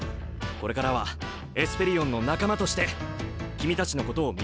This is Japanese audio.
これからはエスペリオンの仲間として君たちのことを見習わせてくれ！